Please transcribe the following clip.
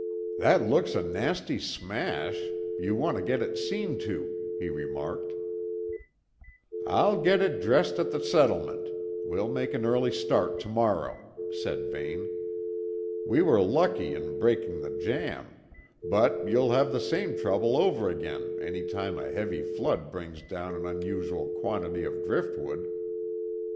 "That looks a nasty smash; you want to get it seen to," he remarked. "I'll get it dressed at the settlement; we'll make an early start to morrow," said Vane. "We were lucky in breaking the jamb; but you'll have the same trouble over again any time a heavy flood brings down an unusual quantity of driftwood."